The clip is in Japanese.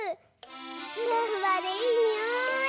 ふわふわでいいにおい！